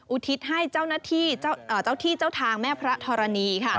อุทิศให้เจ้าที่เจ้าทางแม่พระธรณีย์